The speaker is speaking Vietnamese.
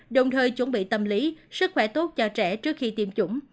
đồng thời chuẩn bị tâm lý sức khỏe tốt cho trẻ trước khi tiêm chủng